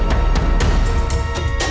itu dia siapa